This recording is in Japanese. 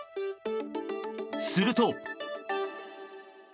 すると。